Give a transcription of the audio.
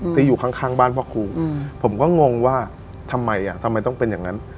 ที่อยู่ข้างบ้านพ่อครูผมก็งงว่าทำไมอ่ะทำไมต้องเป็นอย่างนั้น